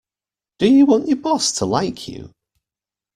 Do you want your boss to like you?